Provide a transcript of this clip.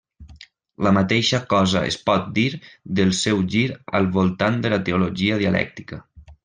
La mateixa cosa es pot dir del seu gir al voltant de la teologia dialèctica.